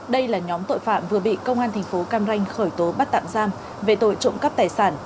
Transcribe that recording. đây là nhóm tội phạm vừa bị công an thành phố cam ranh khởi tố bắt tạm giam về tội trộm cắp tài sản